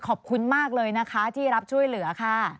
ขอบคุณมากเลยนะคะที่รับช่วยเหลือค่ะ